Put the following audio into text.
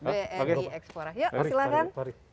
bni explora ya silahkan